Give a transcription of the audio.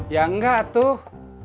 ya enggak tuh